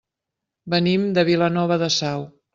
Venim de Vilanova de Sau.